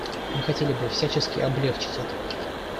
Мы хотели бы всячески облегчить это.